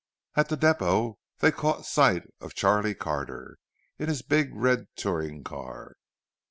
At the depot they caught sight of Charlie Carter, in his big red touring car.